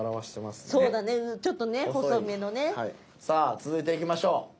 さあ続いていきましょう。